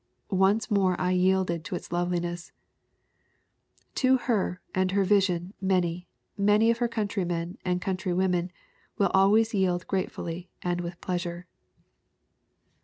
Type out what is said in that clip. Once more I yielded to its loveliness/' To her and her vision many, many of her countrymen and countrywomen will always yield gratefully and with pleasure.